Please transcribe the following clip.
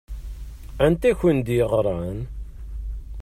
Anta i k-d-yeɣṛan?